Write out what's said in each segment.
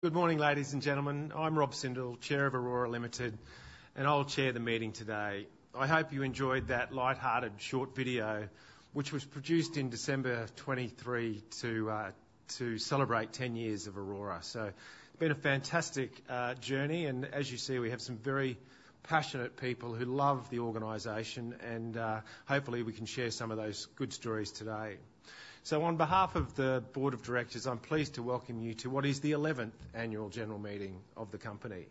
Good morning, ladies and gentlemen. I'm Rob Sindel, Chair of Orora Limited, and I'll chair the meeting today. I hope you enjoyed that lighthearted, short video, which was produced in December 2023 to celebrate 10 years of Orora. So it's been a fantastic journey, and as you see, we have some very passionate people who love the organization and hopefully, we can share some of those good stories today. So on behalf of the board of directors, I'm pleased to welcome you to what is the eleventh Annual General Meeting of the company.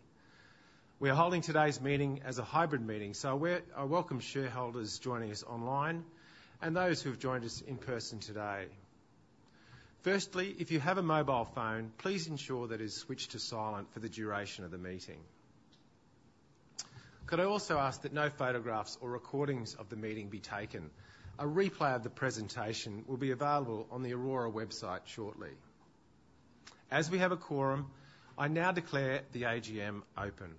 We are holding today's meeting as a hybrid meeting, so we're. I welcome shareholders joining us online and those who've joined us in person today. Firstly, if you have a mobile phone, please ensure that it's switched to silent for the duration of the meeting. Could I also ask that no photographs or recordings of the meeting be taken? A replay of the presentation will be available on the Orora website shortly. As we have a quorum, I now declare the AGM open.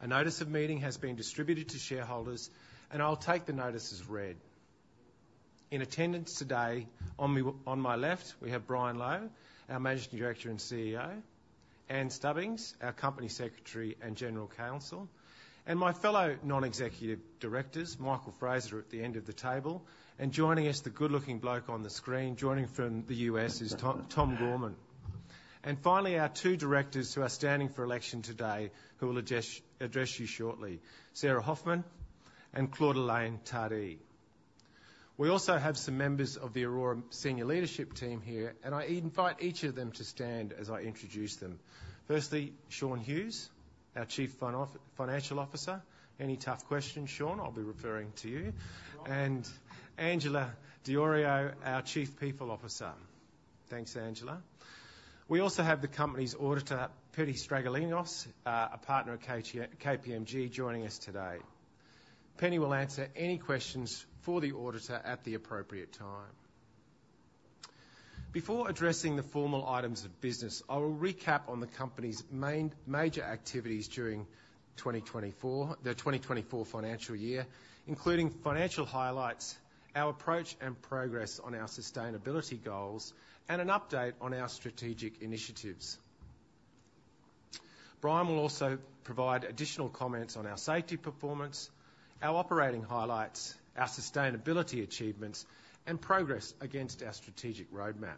A notice of meeting has been distributed to shareholders, and I'll take the notice as read. In attendance today, on me, on my left, we have Brian Lowe, our Managing Director and CEO, Ann Stubbings, our Company Secretary and General Counsel, and my fellow Non-Executive directors, Michael Fraser, at the end of the table. And joining us, the good-looking bloke on the screen, joining from the U.S., is Tom Gorman. And finally, our two directors who are standing for election today, who will address you shortly, Sarah Hofman and Claude-Alain Tardy. We also have some members of the Orora senior leadership team here, and I invite each of them to stand as I introduce them. Firstly, Shaun Hughes, our Chief Financial Officer. Any tough questions, Shaun, I'll be referring to you. You are. Angela Di Iorio, our Chief People Officer. Thanks, Angela. We also have the company's auditor, Penny Stragalinos, a partner at KPMG, joining us today. Penny will answer any questions for the auditor at the appropriate time. Before addressing the formal items of business, I will recap on the company's main, major activities during 2024, the 2024 financial year, including financial highlights, our approach and progress on our sustainability goals, and an update on our strategic initiatives. Brian will also provide additional comments on our safety performance, our operating highlights, our sustainability achievements, and progress against our strategic roadmap.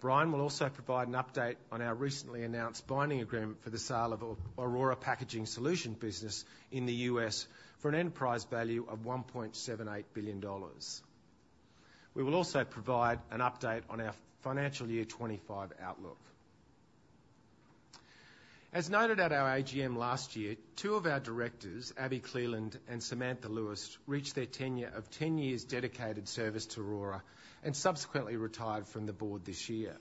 Brian will also provide an update on our recently announced binding agreement for the sale of Orora Packaging Solutions business in the U.S. for an enterprise value of $1.78 billion. We will also provide an update on our financial year 2025 outlook. As noted at our AGM last year, two of our directors, Abi Cleland and Samantha Lewis, reached their tenure of ten years dedicated service to Orora and subsequently retired from the board this year.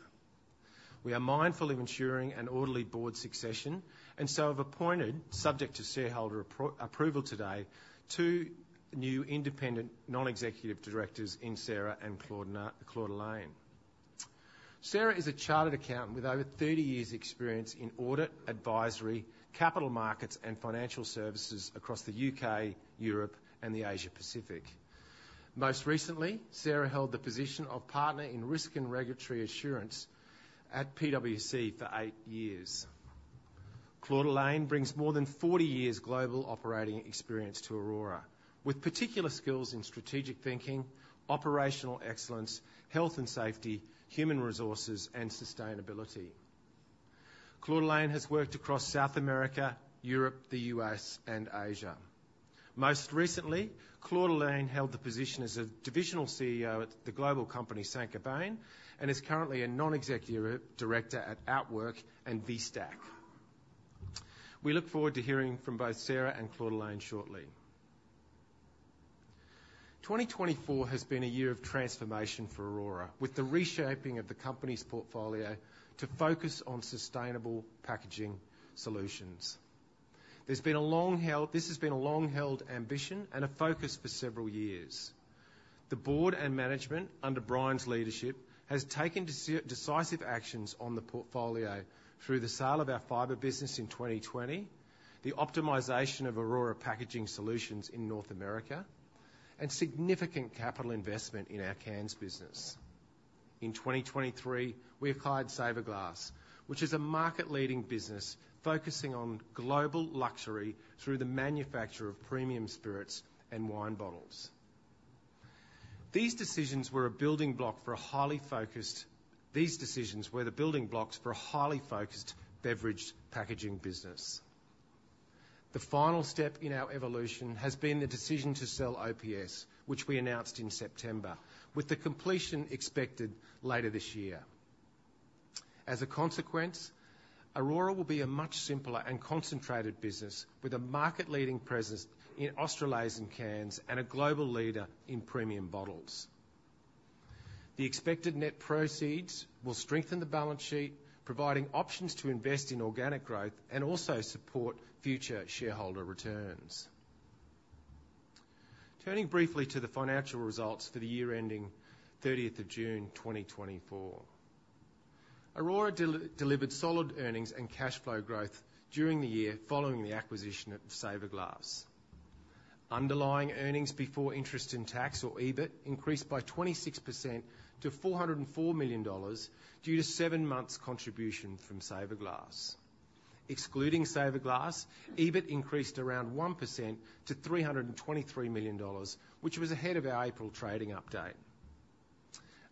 We are mindful of ensuring an orderly board succession and so have appointed, subject to shareholder approval today, two new independent Non-Executive directors in Sarah and Claude-Alain. Sarah is a chartered accountant with over thirty years' experience in audit, advisory, capital markets, and financial services across the U.K., Europe, and the Asia Pacific. Most recently, Sarah held the position of Partner in Risk and Regulatory Assurance at PwC for eight years. Claude-Alain brings more than forty years' global operating experience to Orora, with particular skills in strategic thinking, operational excellence, health and safety, human resources, and sustainability. Claude-Alain has worked across South America, Europe, the U.S., and Asia. Most recently, Claude-Alain Tardy held the position as a Divisional CEO at the global company, Saint-Gobain, and is currently a Non-Executive director at Outwork and Vicat. We look forward to hearing from both Sarah and Claude-Alain Tardy shortly. 2024 has been a year of transformation for Orora, with the reshaping of the company's portfolio to focus on sustainable packaging solutions. There's been a long-held-- This has been a long-held ambition and a focus for several years. The Board and Management, under Brian's leadership, has taken decisive actions on the portfolio through the sale of our fiber business in 2020, the optimization of Orora Packaging Solutions in North America, and significant capital investment in our cans business. In 2023, we acquired Saverglass, which is a market-leading business focusing on global luxury through the manufacture of premium spirits and wine bottles. These decisions were the building blocks for a highly focused beverage packaging business. The final step in our evolution has been the decision to sell OPS, which we announced in September, with the completion expected later this year. As a consequence, Orora will be a much simpler and concentrated business with a market-leading presence in Australasian Cans and a global leader in premium bottles. The expected net proceeds will strengthen the balance sheet, providing options to invest in organic growth and also support future shareholder returns. Turning briefly to the financial results for the year ending 30th of June 2024. Orora delivered solid earnings and cash flow growth during the year following the acquisition of Saverglass. Underlying earnings before interest and tax, or EBIT, increased by 26% to 404 million dollars due to seven months' contribution from Saverglass. Excluding Saverglass, EBIT increased around 1% to 323 million dollars, which was ahead of our April trading update.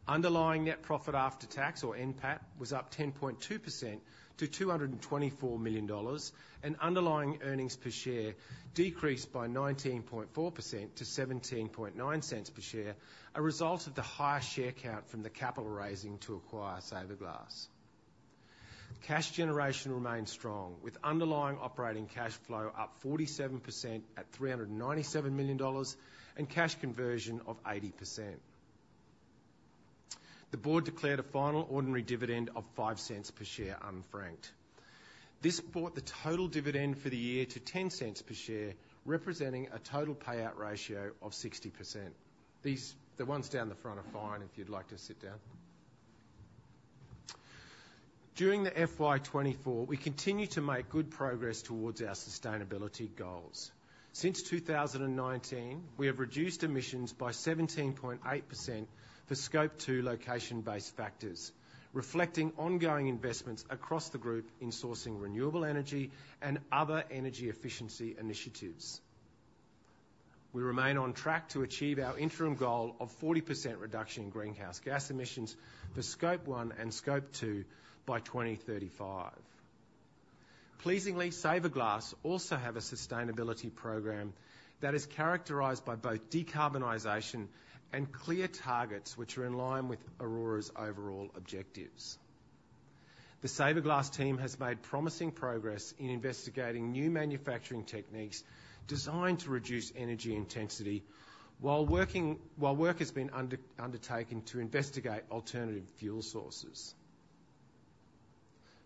Underlying net profit after tax, or NPAT, was up 10.2% to 224 million dollars, and underlying earnings per share decreased by 19.4% to 0.179 per share, a result of the higher share count from the capital raising to acquire Saverglass. Cash generation remained strong, with underlying operating cash flow up 47% at 397 million dollars, and cash conversion of 80%. The board declared a final ordinary dividend of 0.05 per share, unfranked. This brought the total dividend for the year to 0.10 per share, representing a total payout ratio of 60%. These the ones down the front are fine if you'd like to sit down. During the FY 2024, we continued to make good progress towards our sustainability goals. Since 2019, we have reduced emissions by 17.8% for Scope 2 location-based factors, reflecting ongoing investments across the group in sourcing renewable energy and other energy efficiency initiatives. We remain on track to achieve our interim goal of 40% reduction in greenhouse gas emissions for Scope 1 and Scope 2 by 2035. Pleasingly, Saverglass also have a sustainability program that is characterized by both decarbonization and clear targets, which are in line with Orora's overall objectives. The Saverglass team has made promising progress in investigating new manufacturing techniques designed to reduce energy intensity, while work has been undertaken to investigate alternative fuel sources.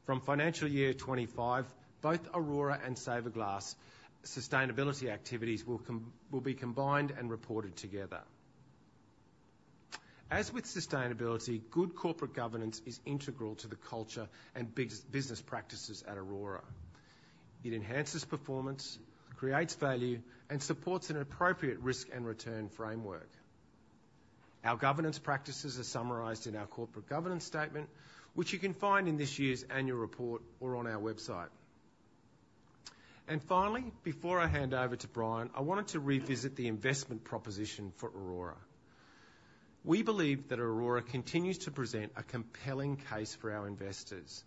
From financial year 2025, both Orora and Saverglass sustainability activities will be combined and reported together. As with sustainability, good corporate governance is integral to the culture and business practices at Orora. It enhances performance, creates value, and supports an appropriate risk and return framework. Our governance practices are summarized in our corporate governance statement, which you can find in this year's annual report or on our website. And finally, before I hand over to Brian, I wanted to revisit the investment proposition for Orora. We believe that Orora continues to present a compelling case for our investors,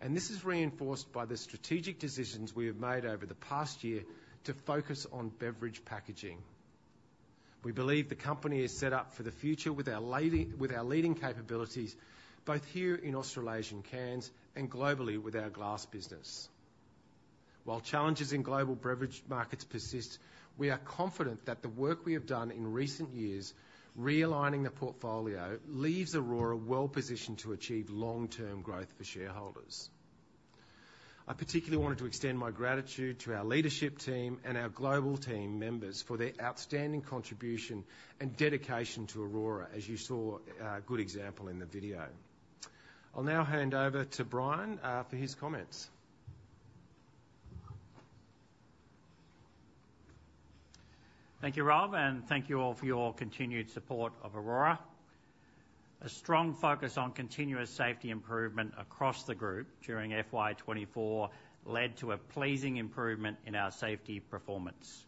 and this is reinforced by the strategic decisions we have made over the past year to focus on beverage packaging. We believe the company is set up for the future with our leading capabilities, both here in Australasian Cans and globally with our glass business. While challenges in global beverage markets persist, we are confident that the work we have done in recent years, realigning the portfolio, leaves Orora well positioned to achieve long-term growth for shareholders. I particularly wanted to extend my gratitude to our leadership team and our global team members for their outstanding contribution and dedication to Orora, as you saw, a good example in the video. I'll now hand over to Brian for his comments. Thank you, Rob, and thank you all for your continued support of Orora. A strong focus on continuous safety improvement across the group during FY 2024 led to a pleasing improvement in our safety performance.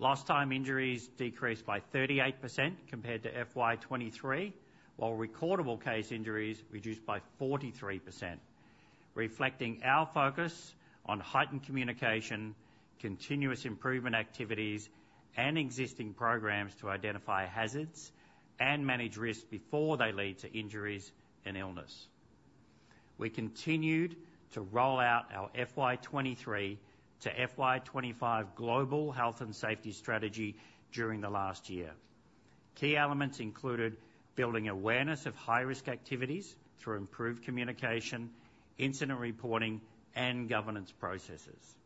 Lost time injuries decreased by 38% compared to FY 2023, while recordable case injuries reduced by 43%, reflecting our focus on heightened communication, continuous improvement activities, and existing programs to identify hazards and manage risks before they lead to injuries and illness. We continued to roll out our FY 2023 to FY 2025 global health and safety strategy during the last year. Key elements included building awareness of high-risk activities through improved communication, incident reporting, and governance processes.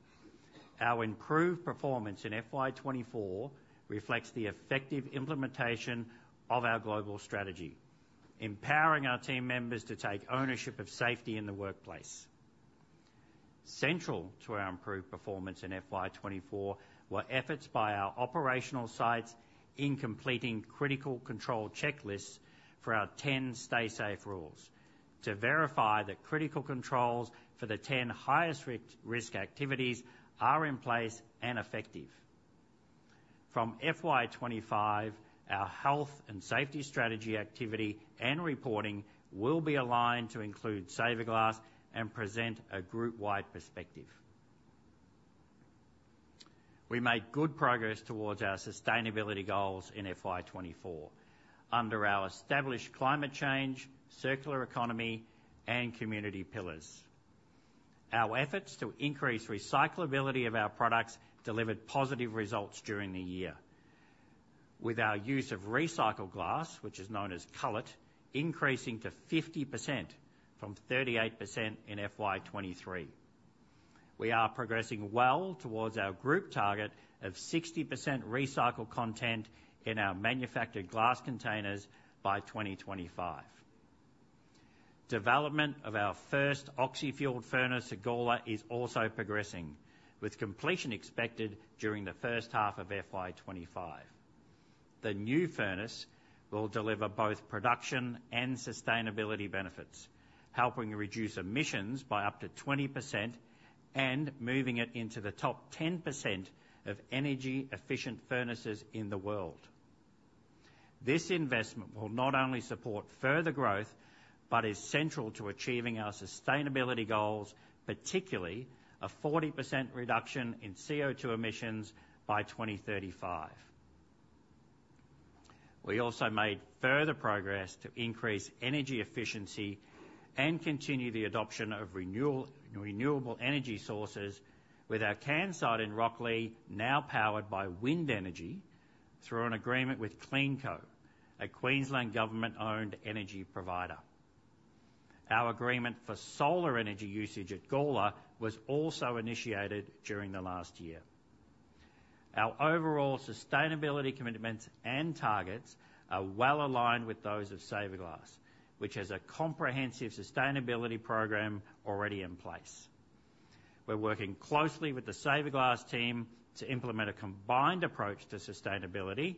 Our improved performance in FY 2024 reflects the effective implementation of our global strategy, empowering our team members to take ownership of safety in the workplace. Central to our improved performance in FY 2024 were efforts by our operational sites in completing critical control checklists for our 10 Stay Safe Rules, to verify that critical controls for the ten highest risk activities are in place and effective. From FY 2025, our health and safety strategy activity and reporting will be aligned to include Saverglass and present a group-wide perspective. We made good progress towards our sustainability goals in FY 2024 under our established climate change, circular economy, and community pillars. Our efforts to increase recyclability of our products delivered positive results during the year. With our use of recycled glass, which is known as cullet, increasing to 50% from 38% in FY 2023. We are progressing well towards our group target of 60% recycled content in our manufactured glass containers by 2025. Development of our first oxy-fueled furnace at Gawler is also progressing, with completion expected during the first half of FY 2025. The new furnace will deliver both production and sustainability benefits, helping to reduce emissions by up to 20% and moving it into the top 10% of energy-efficient furnaces in the world. This investment will not only support further growth, but is central to achieving our sustainability goals, particularly a 40% reduction in CO2 emissions by 2035. We also made further progress to increase energy efficiency and continue the adoption of renewable energy sources with our can site in Rocklea now powered by wind energy through an agreement with CleanCo, a Queensland government-owned energy provider. Our agreement for solar energy usage at Gawler was also initiated during the last year. Our overall sustainability commitments and targets are well aligned with those of Saverglass, which has a comprehensive sustainability program already in place. We're working closely with the Saverglass team to implement a combined approach to sustainability,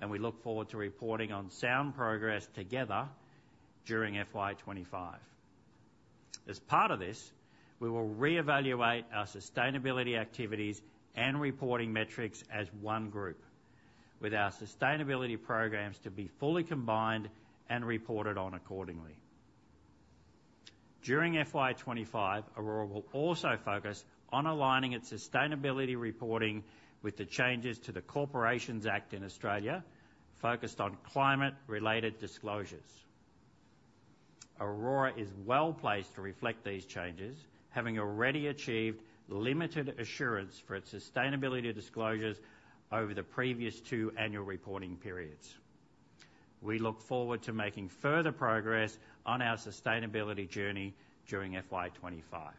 and we look forward to reporting on sound progress together during FY 2025. As part of this, we will reevaluate our sustainability activities and reporting metrics as one group, with our sustainability programs to be fully combined and reported on accordingly. During FY 2025, Orora will also focus on aligning its sustainability reporting with the changes to the Corporations Act in Australia, focused on climate-related disclosures. Orora is well placed to reflect these changes, having already achieved limited assurance for its sustainability disclosures over the previous two annual reporting periods. We look forward to making further progress on our sustainability journey during FY 2025.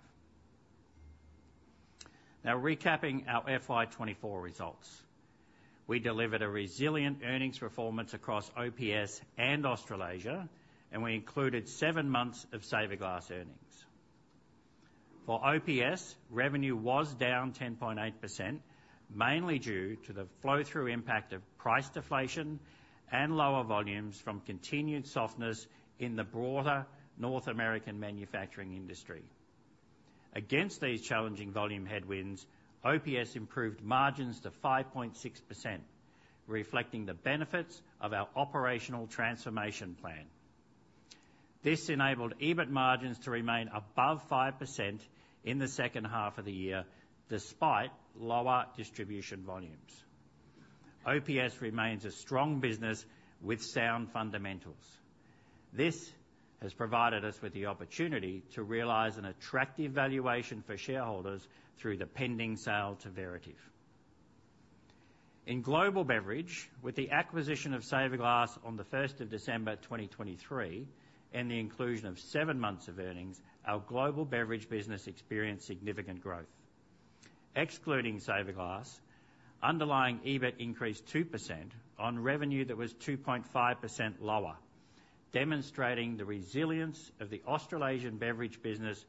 Now, recapping our FY 2024 results. We delivered a resilient earnings performance across OPS and Australasia, and we included seven months of Saverglass earnings. For OPS, revenue was down 10.8%, mainly due to the flow-through impact of price deflation and lower volumes from continued softness in the broader North American manufacturing industry. Against these challenging volume headwinds, OPS improved margins to 5.6%, reflecting the benefits of our operational transformation plan. This enabled EBIT margins to remain above 5% in the second half of the year, despite lower distribution volumes. OPS remains a strong business with sound fundamentals. This has provided us with the opportunity to realize an attractive valuation for shareholders through the pending sale to Veritiv. In global beverage, with the acquisition of Saverglass on the first of December 2023, and the inclusion of seven months of earnings, our global beverage business experienced significant growth. Excluding Saverglass, underlying EBIT increased 2% on revenue that was 2.5% lower, demonstrating the resilience of the Australasian beverage business,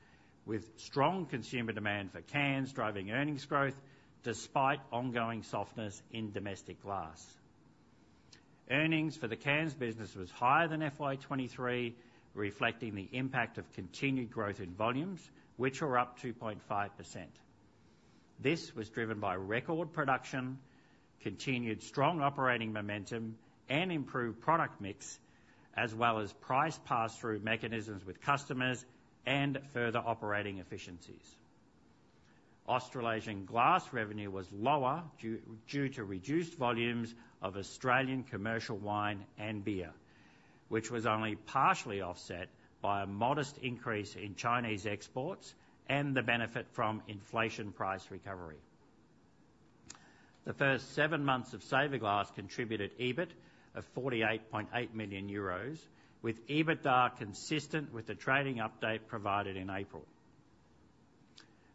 with strong consumer demand for cans driving earnings growth despite ongoing softness in domestic glass. Earnings for the cans business was higher than FY 2023, reflecting the impact of continued growth in volumes, which were up 2.5%. This was driven by record production, continued strong operating momentum, and improved product mix, as well as price pass-through mechanisms with customers and further operating efficiencies. Australasian glass revenue was lower due to reduced volumes of Australian commercial wine and beer, which was only partially offset by a modest increase in Chinese exports and the benefit from inflation price recovery. The first seven months of Saverglass contributed EBIT of 48.8 million euros, with EBITDA consistent with the trading update provided in April.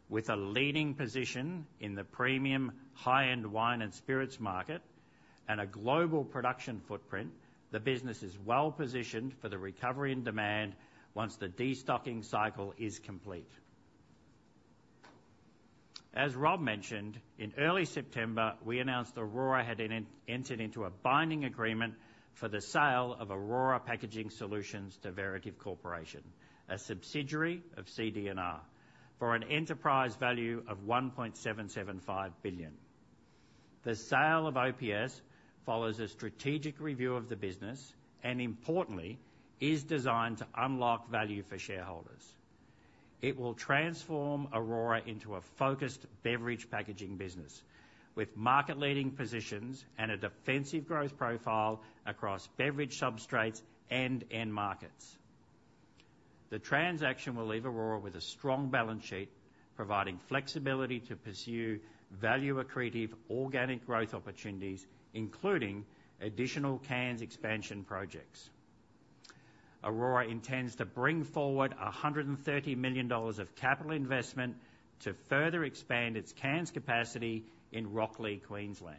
With a leading position in the premium high-end wine and spirits market and a global production footprint, the business is well positioned for the recovery and demand once the destocking cycle is complete. As Rob mentioned, in early September, we announced Orora had entered into a binding agreement for the sale of Orora Packaging Solutions to Veritiv Corporation, a subsidiary of CD&R, for an enterprise value of $1.775 billion. The sale of OPS follows a strategic review of the business and importantly, is designed to unlock value for shareholders. It will transform Orora into a focused beverage packaging business, with market-leading positions and a defensive growth profile across beverage substrates and end markets. The transaction will leave Orora with a strong balance sheet, providing flexibility to pursue value-accretive organic growth opportunities, including additional cans expansion projects. Orora intends to bring forward 130 million dollars of capital investment to further expand its cans capacity in Rocklea, Queensland.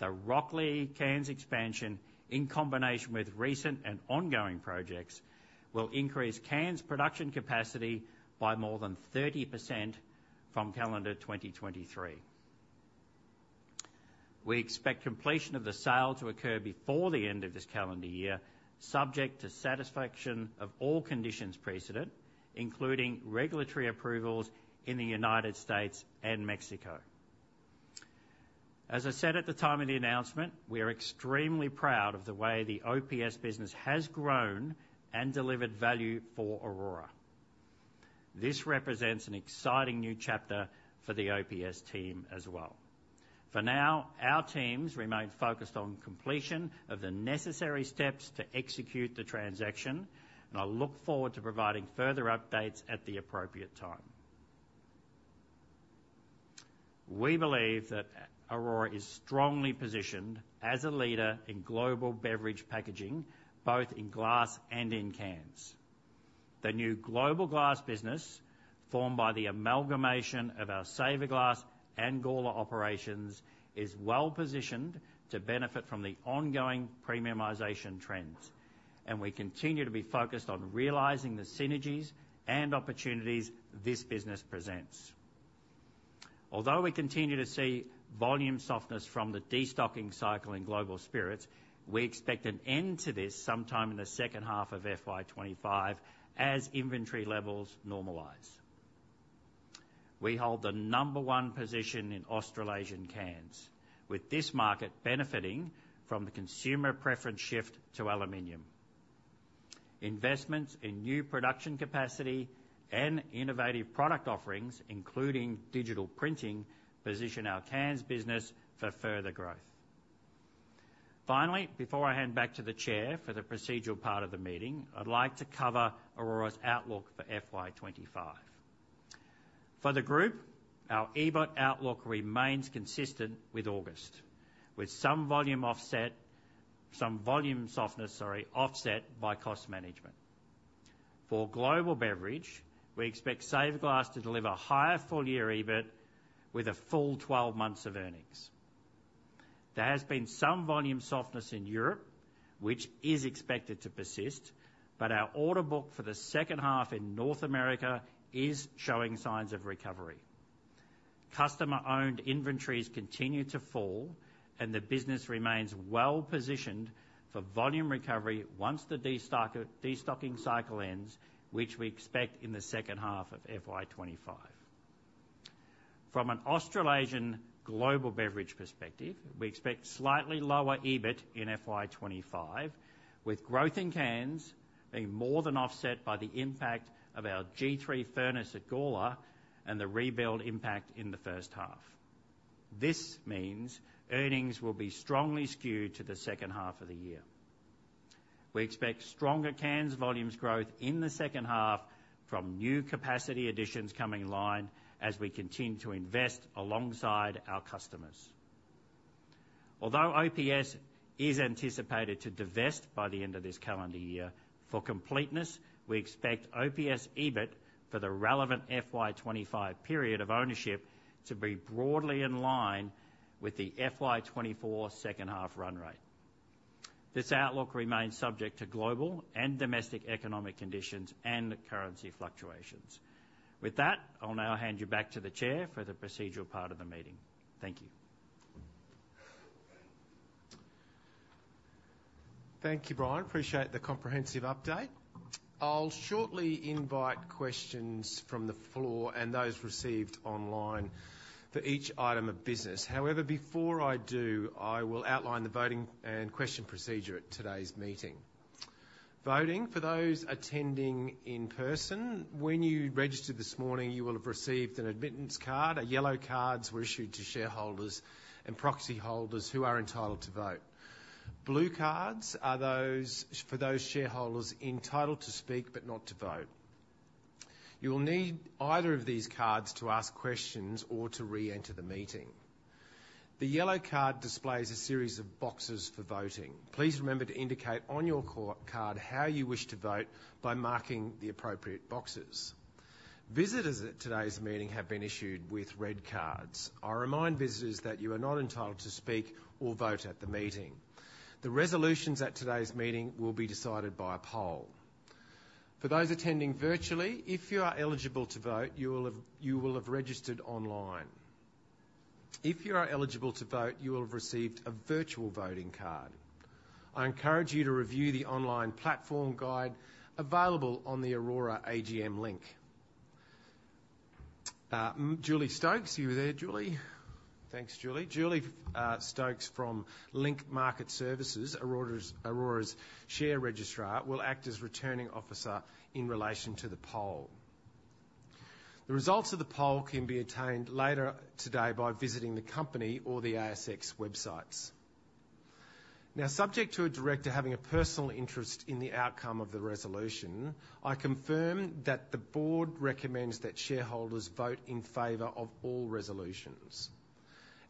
The Rocklea cans expansion, in combination with recent and ongoing projects, will increase cans production capacity by more than 30% from calendar 2023. We expect completion of the sale to occur before the end of this calendar year, subject to satisfaction of all conditions precedent, including regulatory approvals in the United States and Mexico. As I said at the time of the announcement, we are extremely proud of the way the OPS business has grown and delivered value for Orora. This represents an exciting new chapter for the OPS team as well. For now, our teams remain focused on completion of the necessary steps to execute the transaction, and I look forward to providing further updates at the appropriate time. We believe that Orora is strongly positioned as a leader in global beverage packaging, both in glass and in cans. The new global glass business, formed by the amalgamation of our Saverglass and Gawler operations, is well positioned to benefit from the ongoing premiumization trends, and we continue to be focused on realizing the synergies and opportunities this business presents. Although we continue to see volume softness from the destocking cycle in global spirits, we expect an end to this sometime in the second half of FY 2025 as inventory levels normalize. We hold the number one position in Australasian cans, with this market benefiting from the consumer preference shift to aluminum. Investments in new production capacity and innovative product offerings, including digital printing, position our cans business for further growth. Finally, before I hand back to the chair for the procedural part of the meeting, I'd like to cover Orora's outlook for FY 2025. For the group, our EBIT outlook remains consistent with August, with some volume softness, sorry, offset by cost management. For global beverage, we expect Saverglass to deliver higher full-year EBIT with a full twelve months of earnings. There has been some volume softness in Europe, which is expected to persist, but our order book for the second half in North America is showing signs of recovery. Customer-owned inventories continue to fall, and the business remains well positioned for volume recovery once the destocking cycle ends, which we expect in the second half of FY 2025. From an Australasian global beverage perspective, we expect slightly lower EBIT in FY 2025, with growth in cans being more than offset by the impact of our G3 glass furnace at Gawler and the rebuild impact in the first half. This means earnings will be strongly skewed to the second half of the year. We expect stronger cans volumes growth in the second half from new capacity additions coming online as we continue to invest alongside our customers. Although OPS is anticipated to divest by the end of this calendar year, for completeness, we expect OPS EBIT for the relevant FY 2025 period of ownership to be broadly in line with the FY 2024 second half run rate. This outlook remains subject to global and domestic economic conditions and currency fluctuations. With that, I'll now hand you back to the chair for the procedural part of the meeting. Thank you. Thank you, Brian. I appreciate the comprehensive update. I'll shortly invite questions from the floor and those received online for each item of business. However, before I do, I will outline the voting and question procedure at today's meeting. Voting, for those attending in person, when you registered this morning, you will have received an admittance card. Yellow cards were issued to shareholders and proxy holders who are entitled to vote. Blue cards are those for those shareholders entitled to speak, but not to vote. You will need either of these cards to ask questions or to reenter the meeting. The yellow card displays a series of boxes for voting. Please remember to indicate on your card how you wish to vote by marking the appropriate boxes. Visitors at today's meeting have been issued with red cards. I remind visitors that you are not entitled to speak or vote at the meeting. The resolutions at today's meeting will be decided by a poll. For those attending virtually, if you are eligible to vote, you will have registered online. If you are eligible to vote, you will have received a virtual voting card. I encourage you to review the online platform guide available on the Orora AGM link. Julie Stokes, are you there, Julie? Thanks, Julie. Julie Stokes from Link Market Services, Orora's share registrar, will act as returning officer in relation to the poll. The results of the poll can be obtained later today by visiting the company or the ASX websites. Now, subject to a director having a personal interest in the outcome of the resolution, I confirm that the board recommends that shareholders vote in favor of all resolutions.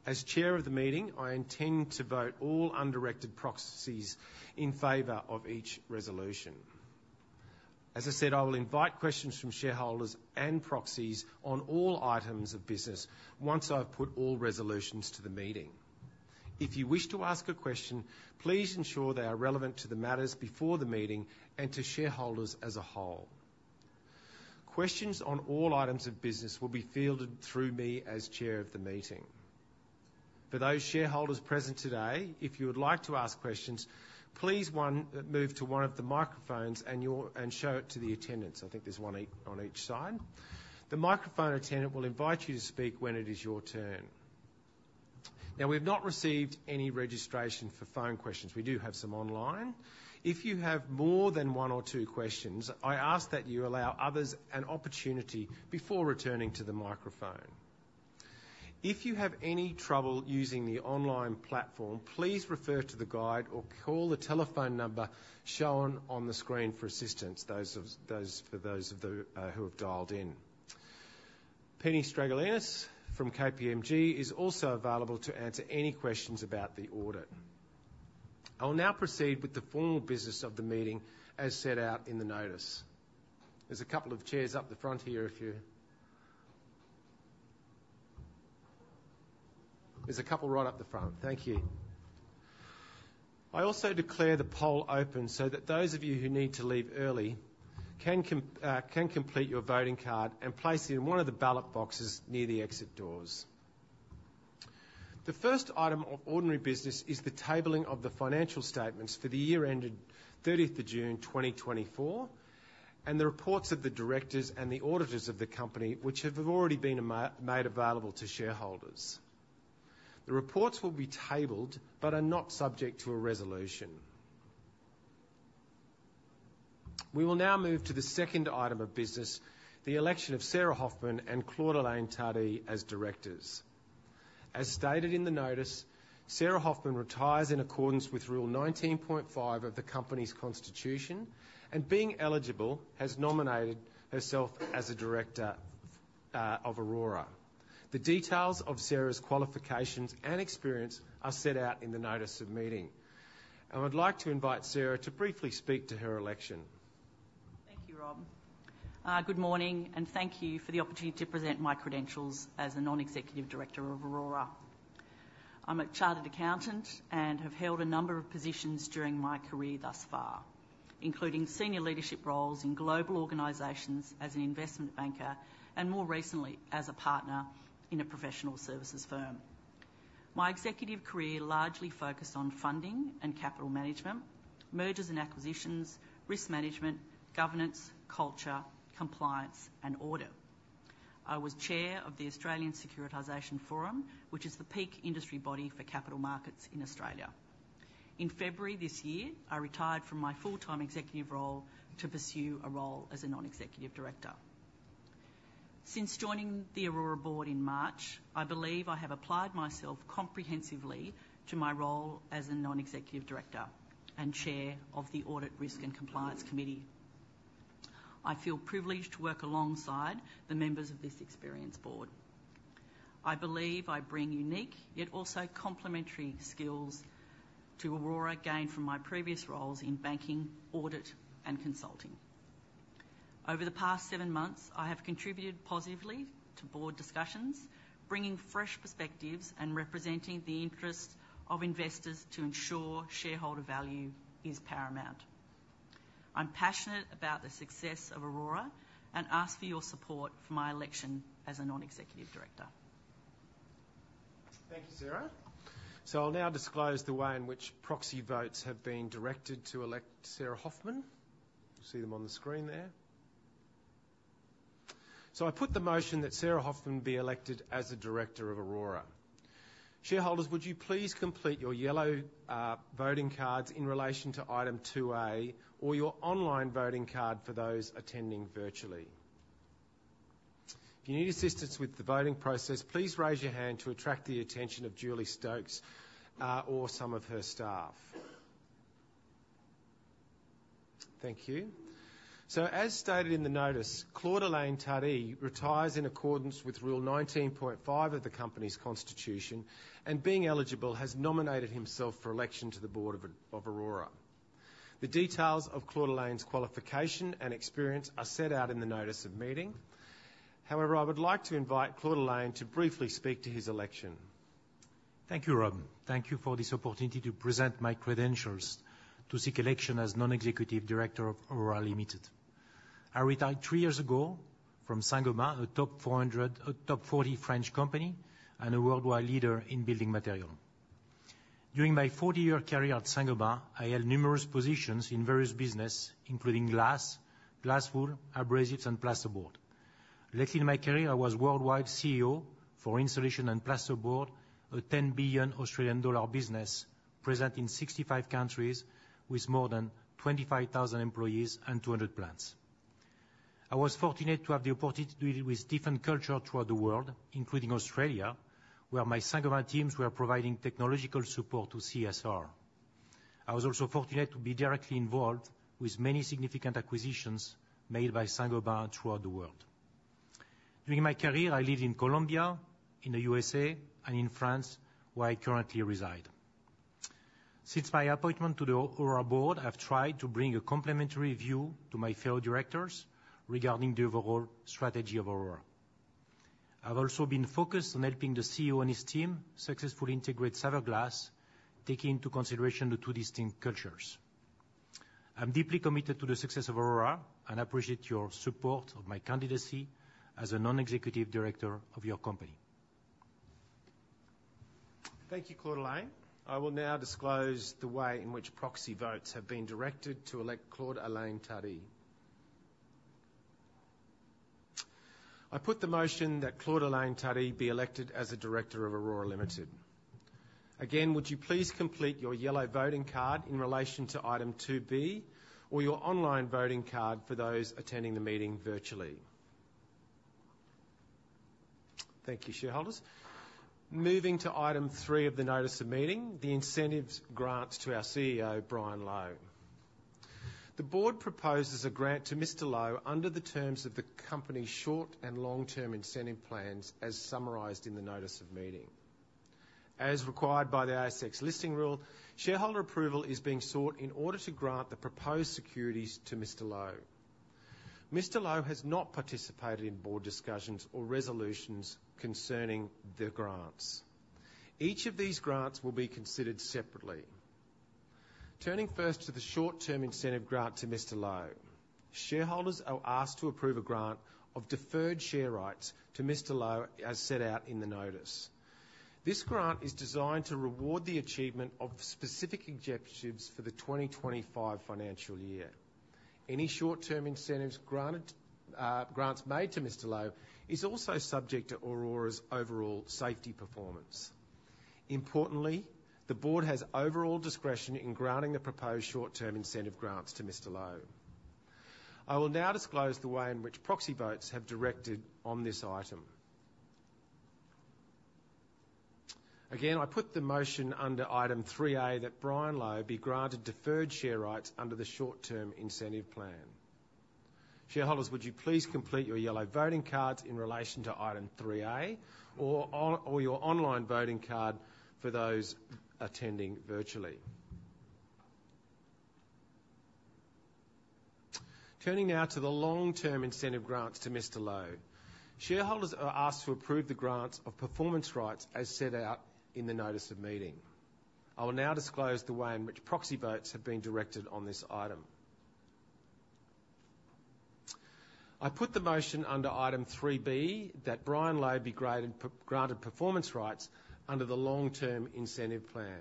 As chair of the meeting, I intend to vote all undirected proxies in favor of each resolution. As I said, I will invite questions from shareholders and proxies on all items of business once I've put all resolutions to the meeting. If you wish to ask a question, please ensure they are relevant to the matters before the meeting and to shareholders as a whole. Questions on all items of business will be fielded through me as chair of the meeting. For those shareholders present today, if you would like to ask questions, please move to one of the microphones and you'll and show it to the attendants. I think there's one each, on each side. The microphone attendant will invite you to speak when it is your turn. Now, we've not received any registration for phone questions. We do have some online. If you have more than one or two questions, I ask that you allow others an opportunity before returning to the microphone. If you have any trouble using the online platform, please refer to the guide or call the telephone number shown on the screen for assistance, for those of you who have dialed in. Penny Stragalinos from KPMG is also available to answer any questions about the audit. I will now proceed with the formal business of the meeting, as set out in the notice. There's a couple of chairs up the front here if you... There's a couple right up the front. Thank you. I also declare the poll open so that those of you who need to leave early can complete your voting card and place it in one of the ballot boxes near the exit doors. The first item of ordinary business is the tabling of the financial statements for the year ended 30th of June, 2024, and the reports of the directors and the auditors of the company, which have already been made available to shareholders. The reports will be tabled but are not subject to a resolution. We will now move to the second item of business, the election of Sarah Hofman and Claude-Alain Tardy as directors. As stated in the notice, Sarah Hofman retires in accordance with Rule 19.5 of the company's constitution, and being eligible, has nominated herself as a director of Orora. The details of Sarah's qualifications and experience are set out in the notice of meeting. I would like to invite Sarah to briefly speak to her election. Thank you, Rob. Good morning, and thank you for the opportunity to present my credentials as a Non-Executive Director of Orora. I'm a chartered accountant and have held a number of positions during my career thus far, including senior leadership roles in global organizations as an investment banker, and more recently, as a partner in a professional services firm. My executive career largely focused on funding and capital management, mergers and acquisitions, risk management, governance, culture, compliance, and audit. I was chair of the Australian Securitisation Forum, which is the peak industry body for capital markets in Australia. In February this year, I retired from my full-time executive role to pursue a role as a non-executive director. Since joining the Orora board in March, I believe I have applied myself comprehensively to my role as a Non-Executive Director and Chair of the Audit, Risk and Compliance Committee. I feel privileged to work alongside the members of this experienced board. I believe I bring unique, yet also complementary skills to Orora, gained from my previous roles in banking, audit, and consulting. Over the past seven months, I have contributed positively to board discussions, bringing fresh perspectives and representing the interests of investors to ensure shareholder value is paramount. I'm passionate about the success of Orora and ask for your support for my election as a non-executive director. Thank you, Sarah. So I'll now disclose the way in which proxy votes have been directed to elect Sarah Hofman. You see them on the screen there. So I put the motion that Sarah Hofman be elected as a director of Orora. Shareholders, would you please complete your yellow voting cards in relation to item 2A or your online voting card for those attending virtually. If you need assistance with the voting process, please raise your hand to attract the attention of Julie Stokes or some of her staff. Thank you. So, as stated in the notice, Claude-Alain Tardy retires in accordance with Rule 19.5 of the company's constitution, and being eligible, has nominated himself for election to the board of Orora. The details of Claude-Alain Tardy’s qualification and experience are set out in the notice of meeting. However, I would like to invite Claude-Alain to briefly speak to his election. Thank you, Rob. Thank you for this opportunity to present my credentials to seek election as non-executive director of Orora Limited. I retired three years ago from Saint-Gobain, a top four hundred, top forty French company and a worldwide leader in building material. During my forty-year career at Saint-Gobain, I held numerous positions in various business, including glass, glass wool, abrasives, and plasterboard. Late in my career, I was Worldwide CEO for Insulation and Plasterboard, a 10 billion Australian dollar business present in 65 countries with more than 25,000 employees and 200 plants. I was fortunate to have the opportunity to deal with different culture throughout the world, including Australia, where my Saint-Gobain teams were providing technological support to CSR. I was also fortunate to be directly involved with many significant acquisitions made by Saint-Gobain throughout the world. During my career, I lived in Colombia, in the USA, and in France, where I currently reside... Since my appointment to the Orora board, I've tried to bring a complementary view to my fellow directors regarding the overall strategy of Orora. I've also been focused on helping the CEO and his team successfully integrate Saverglass, taking into consideration the two distinct cultures. I'm deeply committed to the success of Orora, and I appreciate your support of my candidacy as a non-executive director of your company. Thank you, Claude-Alain. I will now disclose the way in which proxy votes have been directed to elect Claude-Alain Tardy. I put the motion that Claude-Alain Tardy be elected as a director of Orora Limited. Again, would you please complete your yellow voting card in relation to item 2B or your online voting card for those attending the meeting virtually. Thank you, shareholders. Moving to item three of the notice of meeting, the incentive grants to our CEO, Brian Lowe. The board proposes a grant to Mr. Lowe under the terms of the company's short and long-term incentive plans, as summarized in the notice of meeting. As required by the ASX Listing Rule, shareholder approval is being sought in order to grant the proposed securities to Mr. Lowe. Mr. Lowe has not participated in board discussions or resolutions concerning the grants. Each of these grants will be considered separately. Turning first to the short-term incentive grant to Mr. Lowe. Shareholders are asked to approve a grant of deferred share rights to Mr. Lowe, as set out in the notice. This grant is designed to reward the achievement of specific objectives for the 2025 financial year. Any short-term incentives granted, grants made to Mr. Lowe is also subject to Orora's overall safety performance. Importantly, the board has overall discretion in granting the proposed short-term incentive grants to Mr. Lowe. I will now disclose the way in which proxy votes have directed on this item. Again, I put the motion under item 3A, that Brian Lowe be granted deferred share rights under the short-term incentive plan. Shareholders, would you please complete your yellow voting cards in relation to item 3A, or your online voting card for those attending virtually? Turning now to the long-term incentive grants to Mr. Lowe. Shareholders are asked to approve the grants of performance rights as set out in the notice of meeting. I will now disclose the way in which proxy votes have been directed on this item. I put the motion under item 3B, that Brian Lowe be granted performance rights under the long-term incentive plan.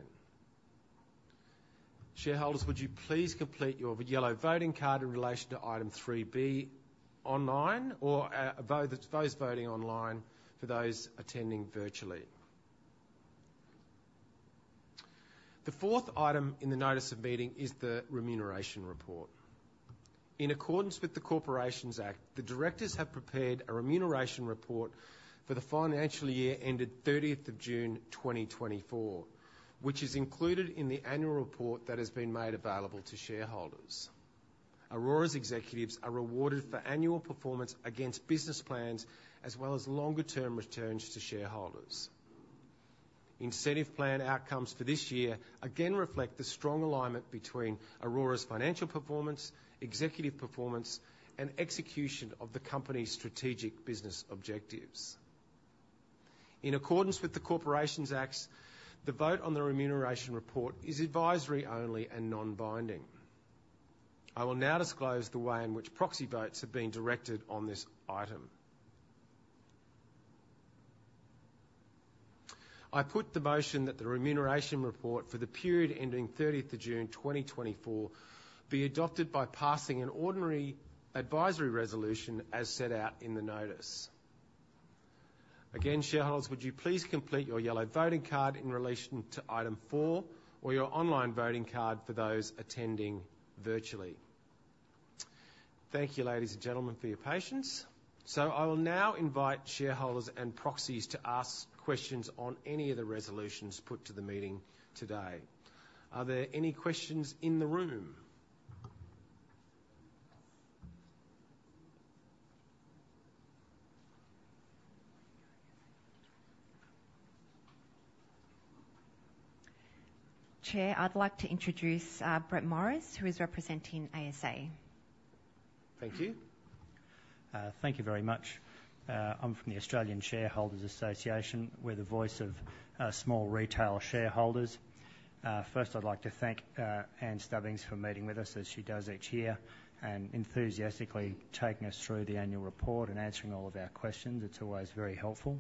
Shareholders, would you please complete your yellow voting card in relation to item 3B online or those voting online for those attending virtually. The fourth item in the notice of meeting is the remuneration report. In accordance with the Corporations Act, the directors have prepared a remuneration report for the financial year ended thirtieth of June 2024, which is included in the annual report that has been made available to shareholders. Orora's executives are rewarded for annual performance against business plans, as well as longer-term returns to shareholders. Incentive plan outcomes for this year again reflect the strong alignment between Orora's financial performance, executive performance, and execution of the company's strategic business objectives. In accordance with the Corporations Act, the vote on the remuneration report is advisory only and non-binding. I will now disclose the way in which proxy votes have been directed on this item. I put the motion that the remuneration report for the period ending thirtieth of June 2024, be adopted by passing an ordinary advisory resolution as set out in the notice. Again, shareholders, would you please complete your yellow voting card in relation to item four or your online voting card for those attending virtually? Thank you, ladies and gentlemen, for your patience. So I will now invite shareholders and proxies to ask questions on any of the resolutions put to the meeting today. Are there any questions in the room? Chair, I'd like to introduce Brett Morris, who is representing ASA. Thank you. Thank you very much. I'm from the Australian Shareholders Association. We're the voice of small retail shareholders. First, I'd like to thank Ann Stubbings for meeting with us, as she does each year, and enthusiastically taking us through the annual report and answering all of our questions. It's always very helpful.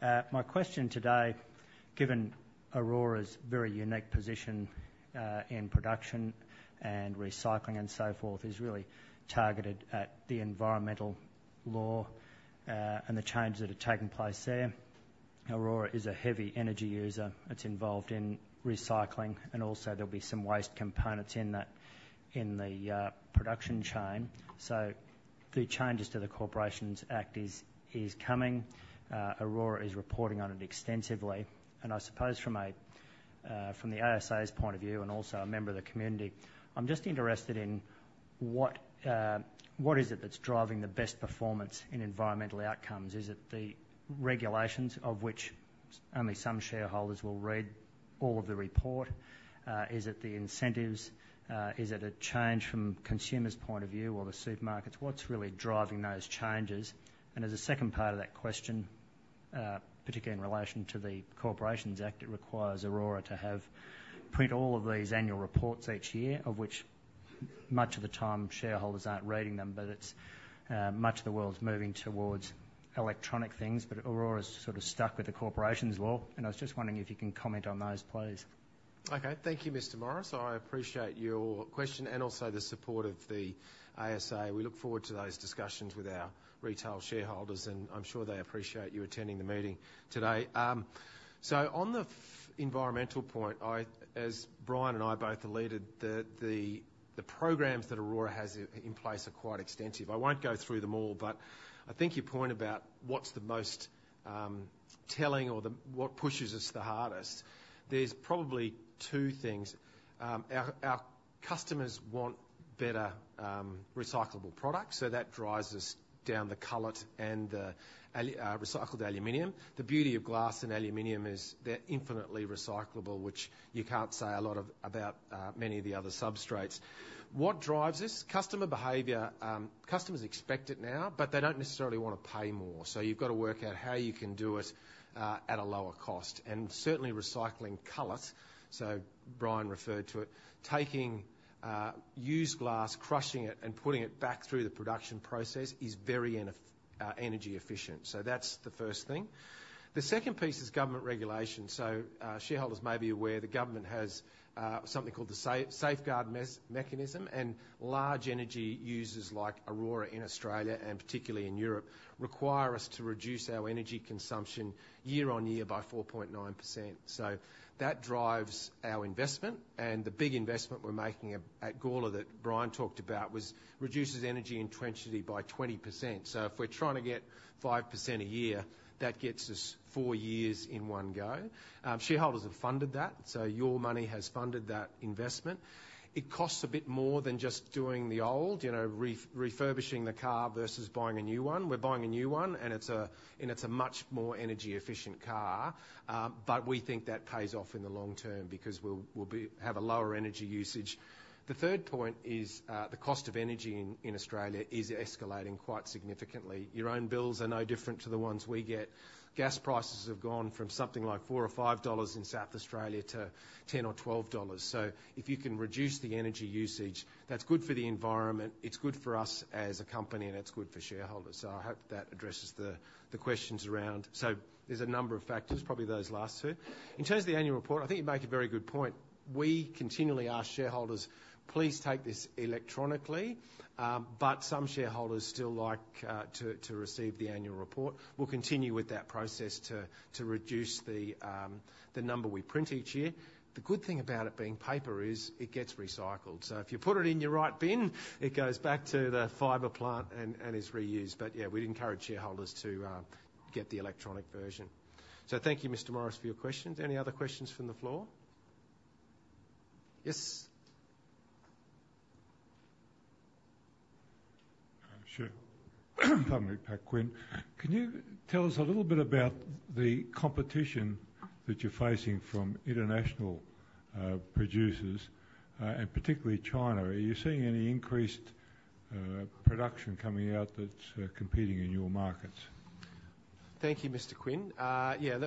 My question today, given Orora's very unique position in production and recycling and so forth, is really targeted at the environmental law and the changes that are taking place there. Orora is a heavy energy user that's involved in recycling, and also there'll be some waste components in that, in the production chain. So the changes to the Corporations Act is coming. Orora is reporting on it extensively. And I suppose from the ASA's point of view, and also a member of the community, I'm just interested in what is it that's driving the best performance in environmental outcomes? Is it the regulations, of which only some shareholders will read all of the report? Is it the incentives? Is it a change from consumers' point of view or the supermarkets? What's really driving those changes? And as a second part of that question, particularly in relation to the Corporations Act, it requires Orora to have, print all of these annual reports each year, of which much of the time shareholders aren't reading them, but it's much of the world's moving towards electronic things, but Orora's sort of stuck with the corporations law, and I was just wondering if you can comment on those, please. Okay. Thank you, Mr. Morris. I appreciate your question and also the support of the ASA. We look forward to those discussions with our retail shareholders, and I'm sure they appreciate you attending the meeting today. So on the environmental point, as Brian and I both alluded, the programs that Orora has in place are quite extensive. I won't go through them all, but I think your point about what's the most telling or what pushes us the hardest, there's probably two things. Our customers want better recyclable products, so that drives us down the cullet and the recycled aluminum. The beauty of glass and aluminum is they're infinitely recyclable, which you can't say a lot of about many of the other substrates. What drives this? Customer behavior. Customers expect it now, but they don't necessarily want to pay more, so you've got to work out how you can do it at a lower cost, and certainly recycling cullet, so Brian referred to it, taking used glass, crushing it, and putting it back through the production process is very energy efficient. So that's the first thing. The second piece is government regulation. So shareholders may be aware, the government has something called the Safeguard Mechanism, and large energy users like Orora in Australia, and particularly in Europe, require us to reduce our energy consumption year on year by 4.9%. So that drives our investment, and the big investment we're making at Gawler, that Brian talked about, was reduces energy intensity by 20%. So if we're trying to get 5% a year, that gets us four years in one go. Shareholders have funded that, so your money has funded that investment. It costs a bit more than just doing the old, you know, refurbishing the car versus buying a new one. We're buying a new one, and it's a much more energy efficient car. But we think that pays off in the long term because we'll have a lower energy usage. The third point is, the cost of energy in Australia is escalating quite significantly. Your own bills are no different to the ones we get. Gas prices have gone from something like 4 or 5 dollars in South Australia to 10 or 12 dollars. So if you can reduce the energy usage, that's good for the environment, it's good for us as a company, and it's good for shareholders. So I hope that addresses the questions around. So there's a number of factors, probably those last two. In terms of the annual report, I think you make a very good point. We continually ask shareholders, "Please take this electronically," but some shareholders still like to receive the annual report. We'll continue with that process to reduce the number we print each year. The good thing about it being paper is, it gets recycled. So if you put it in your right bin, it goes back to the fiber plant and is reused. But, yeah, we'd encourage shareholders to get the electronic version. So thank you, Mr. Morris, for your questions. Any other questions from the floor? Yes. Sure. Pardon me, Pat Quinn. Can you tell us a little bit about the competition that you're facing from international producers, and particularly China? Are you seeing any increased production coming out that's competing in your markets? Thank you, Mr. Quinn. Yeah,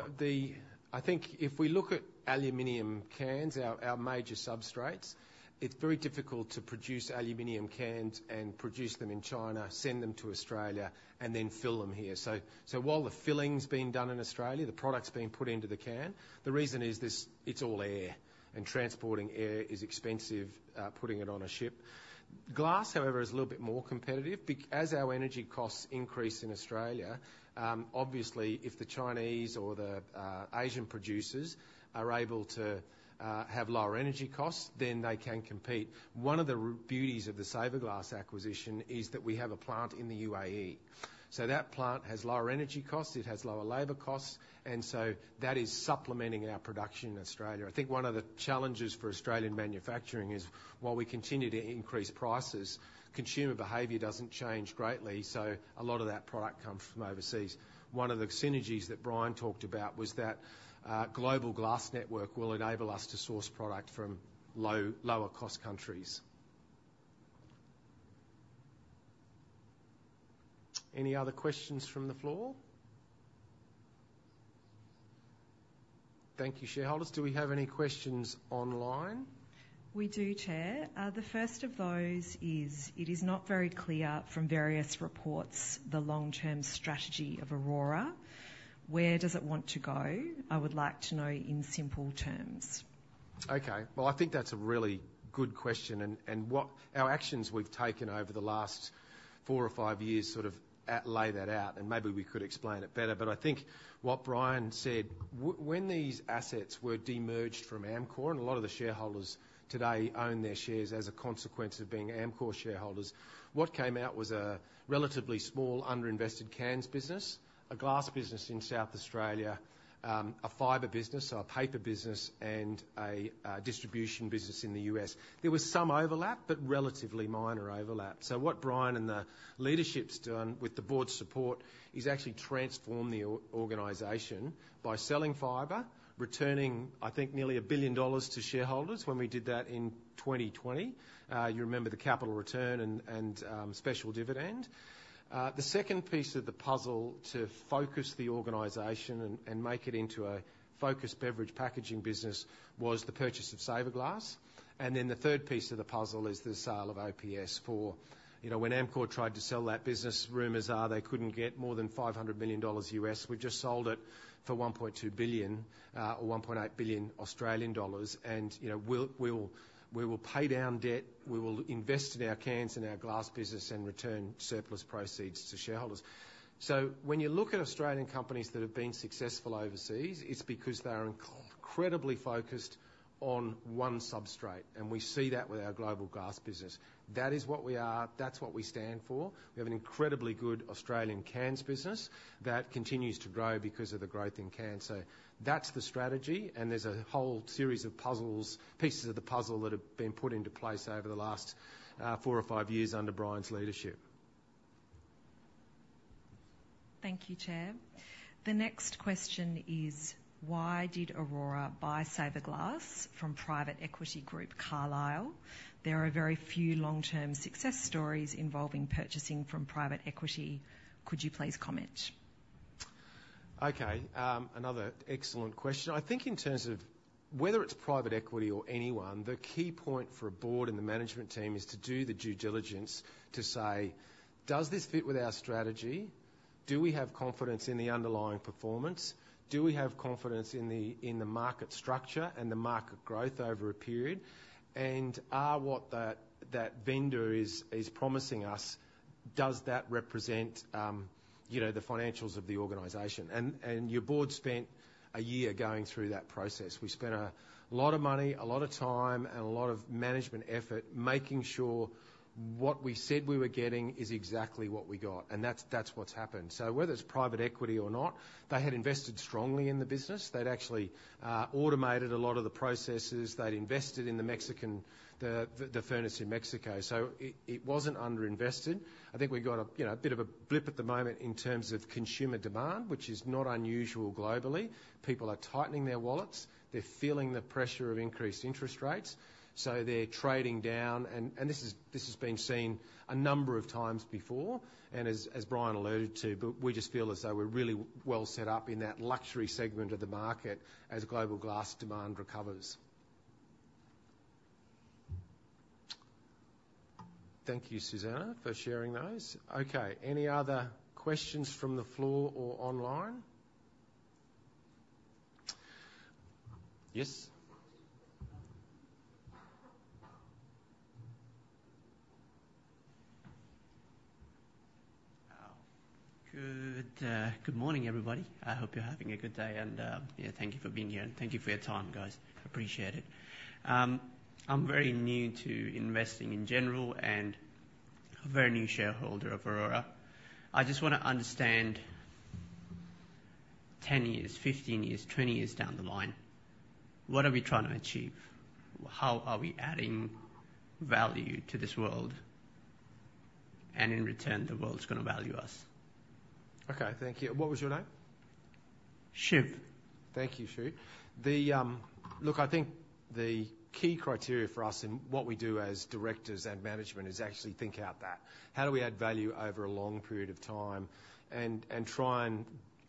I think if we look at aluminum cans, our major substrates, it's very difficult to produce aluminum cans and produce them in China, send them to Australia, and then fill them here. While the filling's being done in Australia, the product's being put into the can, the reason is this, it's all air, and transporting air is expensive, putting it on a ship. Glass, however, is a little bit more competitive. As our energy costs increase in Australia, obviously, if the Chinese or the Asian producers are able to have lower energy costs, then they can compete. One of the beauties of the Saverglass acquisition is that we have a plant in the UAE. So that plant has lower energy costs, it has lower labor costs, and so that is supplementing our production in Australia. I think one of the challenges for Australian manufacturing is, while we continue to increase prices, consumer behavior doesn't change greatly, so a lot of that product comes from overseas. One of the synergies that Brian talked about was that a global glass network will enable us to source product from low, lower cost countries. Any other questions from the floor? Thank you, shareholders. Do we have any questions online? We do, Chair. The first of those is: It is not very clear from various reports, the long-term strategy of Orora. Where does it want to go? I would like to know in simple terms. Okay, well, I think that's a really good question, and what our actions we've taken over the last four or five years sort of lay that out, and maybe we could explain it better. But I think what Brian said, when these assets were demerged from Amcor, and a lot of the shareholders today own their shares as a consequence of being Amcor shareholders, what came out was a relatively small, underinvested cans business, a glass business in South Australia, a fiber business, a paper business, and a distribution business in the U.S. There was some overlap, but relatively minor overlap. So what Brian and the leadership's done with the board's support is actually transformed the organization by selling fiber, returning nearly 1 billion dollars to shareholders when we did that in 2020. You remember the capital return and special dividend. The second piece of the puzzle to focus the organization and make it into a focused beverage packaging business was the purchase of Saverglass. Then the third piece of the puzzle is the sale of OPS for... You know, when Amcor tried to sell that business, rumors are they couldn't get more than $500 million. We just sold it for $1.2 billion or 1.8 billion Australian dollars, and, you know, we'll pay down debt, we will invest in our cans and our glass business, and return surplus proceeds to shareholders. So when you look at Australian companies that have been successful overseas, it's because they are incredibly focused on one substrate, and we see that with our global glass business. That is what we are. That's what we stand for. We have an incredibly good Australian cans business that continues to grow because of the growth in cans. So that's the strategy, and there's a whole series of puzzles, pieces of the puzzle that have been put into place over the last four or five years under Brian's leadership. Thank you, Chair. The next question is: Why did Orora buy Saverglass from private equity group, Carlyle? There are very few long-term success stories involving purchasing from private equity. Could you please comment? Okay, another excellent question. I think in terms of whether it's private equity or anyone, the key point for a board and the management team is to do the due diligence to say: Does this fit with our strategy? Do we have confidence in the underlying performance? Do we have confidence in the market structure and the market growth over a period? And what that vendor is promising us, does that represent, you know, the financials of the organization? And your board spent a year going through that process. We spent a lot of money, a lot of time, and a lot of management effort, making sure what we said we were getting is exactly what we got, and that's what's happened. So whether it's private equity or not, they had invested strongly in the business. They'd actually automated a lot of the processes. They'd invested in the Mexican, the furnace in Mexico, so it wasn't underinvested. I think we've got a, you know, a bit of a blip at the moment in terms of consumer demand, which is not unusual globally. People are tightening their wallets. They're feeling the pressure of increased interest rates, so they're trading down, and this has been seen a number of times before, and as Brian alluded to, but we just feel as though we're really well set up in that luxury segment of the market as global glass demand recovers. Thank you, Susanna, for sharing those. Okay, any other questions from the floor or online? Yes. Good morning, everybody. I hope you're having a good day, and yeah, thank you for being here, and thank you for your time, guys. I appreciate it. I'm very new to investing in general and a very new shareholder of Orora. I just wanna understand ten years, fifteen years, twenty years down the line, what are we trying to achieve? How are we adding value to this world? And in return, the world is gonna value us. Okay, thank you. What was your name? Shiv. Thank you, Shiv. Look, I think the key criteria for us in what we do as directors and management is actually think out that. How do we add value over a long period of time and try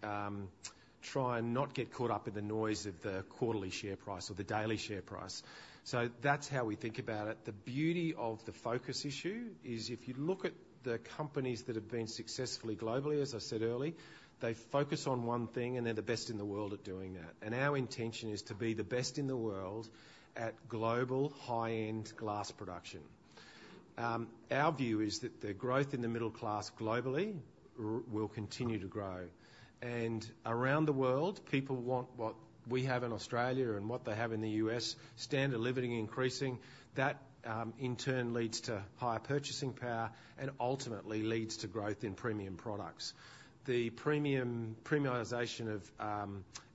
and not get caught up in the noise of the quarterly share price or the daily share price? So that's how we think about it. The beauty of the focus issue is, if you look at the companies that have been successfully globally, as I said earlier, they focus on one thing, and they're the best in the world at doing that. And our intention is to be the best in the world at global high-end glass production. Our view is that the growth in the middle class globally will continue to grow, and around the world, people want what we have in Australia and what they have in the U.S., standard of living increasing. That in turn leads to higher purchasing power and ultimately leads to growth in premium products. The premiumization of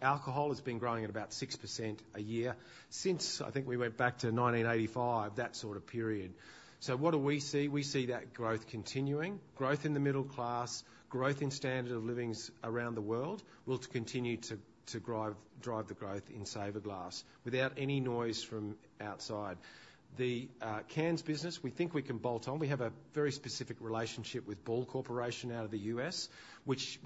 alcohol has been growing at about 6% a year since, I think we went back to 1985, that sort of period. So what do we see? We see that growth continuing. Growth in the middle class, growth in standard of living around the world, will continue to drive the growth in Saverglass without any noise from outside. The cans business, we think we can bolt on. We have a very specific relationship with Ball Corporation out of the U.S., which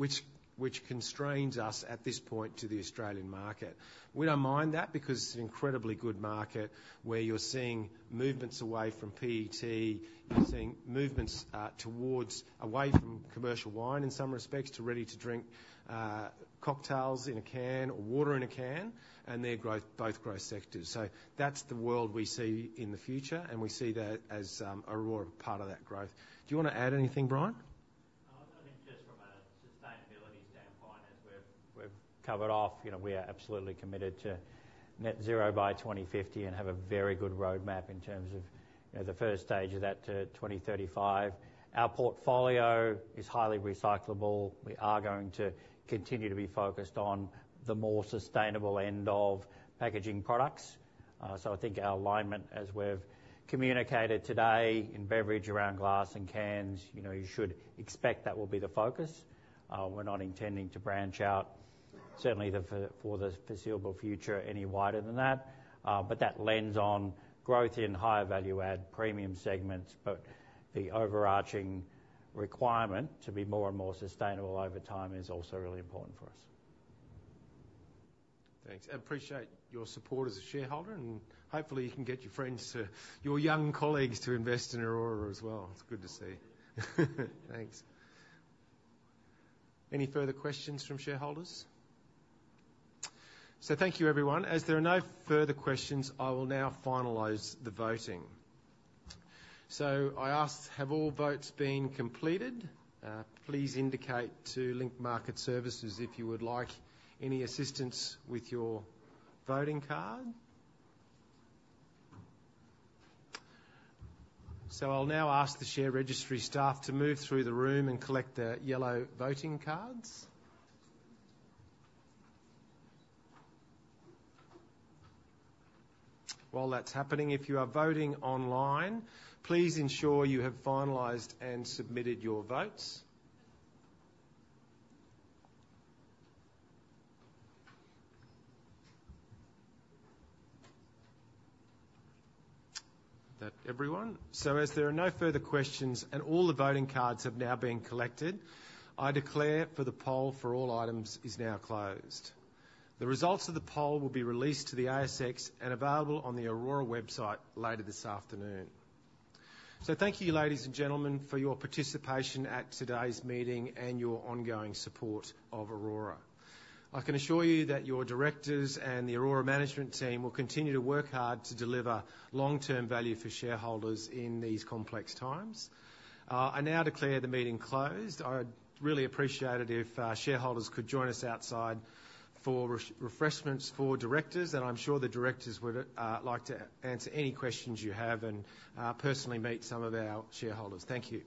constrains us at this point to the Australian market. We don't mind that because it's an incredibly good market where you're seeing movements away from PET. You're seeing movements towards away from commercial wine in some respects, to ready-to-drink cocktails in a can or water in a can, and they're growth, both growth sectors. So that's the world we see in the future, and we see that as Orora a part of that growth. Do you wanna add anything, Brian?... We've covered off, you know, we are absolutely committed to net zero by 2050, and have a very good roadmap in terms of, you know, the first stage of that to 2035. Our portfolio is highly recyclable. We are going to continue to be focused on the more sustainable end of packaging products. So I think our alignment, as we've communicated today in beverage, around glass and cans, you know, you should expect that will be the focus. We're not intending to branch out, certainly for the foreseeable future, any wider than that. But that lends on growth in higher value add premium segments, but the overarching requirement to be more and more sustainable over time is also really important for us. Thanks. I appreciate your support as a shareholder, and hopefully you can get your friends to, your young colleagues, to invest in Orora as well. It's good to see. Thanks. Any further questions from shareholders? So thank you, everyone. As there are no further questions, I will now finalize the voting. So I ask, have all votes been completed? Please indicate to Link Market Services if you would like any assistance with your voting card. So I'll now ask the share registry staff to move through the room and collect the yellow voting cards. While that's happening, if you are voting online, please ensure you have finalized and submitted your votes. Is that everyone? So as there are no further questions, and all the voting cards have now been collected, I declare the poll for all items is now closed. The results of the poll will be released to the ASX and available on the Orora website later this afternoon. So thank you, ladies and gentlemen, for your participation at today's meeting and your ongoing support of Orora. I can assure you that your directors and the Orora management team will continue to work hard to deliver long-term value for shareholders in these complex times. I now declare the meeting closed. I'd really appreciate it if shareholders could join us outside for refreshments for directors, and I'm sure the directors would like to answer any questions you have and personally meet some of our shareholders. Thank you.